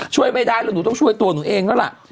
ช่วยไม่ได้แล้วหนูต้องช่วยตัวหนูเองแล้วล่ะ